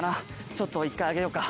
ちょっと１回上げようか。